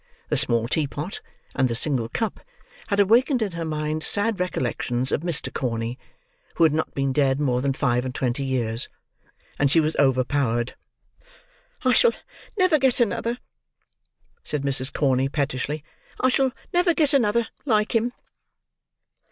The small teapot, and the single cup, had awakened in her mind sad recollections of Mr. Corney (who had not been dead more than five and twenty years); and she was overpowered. "I shall never get another!" said Mrs. Corney, pettishly; "I shall never get another—like him."